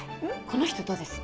この人どうです？